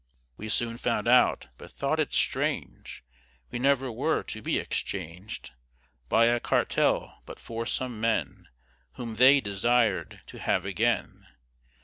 We soon found out, but thought it strange We never were to be exchang'd By a cartel, but for some men Whom they desir'd to have again.